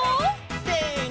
せの！